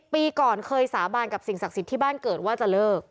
ปีก่อนเคยสาบานกับสิ่งศักดิ์สิทธิ์ที่บ้านเกิดว่าจะเลิก